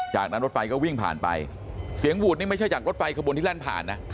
จากนั้นรถไฟก็วิ่งผ่านไปเสียงวูดนี่ไม่ใช่จากรถไฟขบวนที่แล่นผ่านนะ